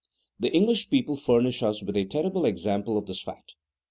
The English people furnish us with a terrible example of this fact.